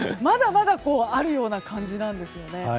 まだまだあるような感じなんですよね。